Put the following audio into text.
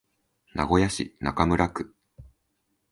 名古屋市中村区